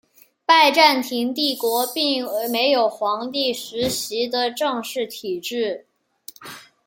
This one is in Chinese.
拜占庭帝国并没有皇帝世袭的正式体制。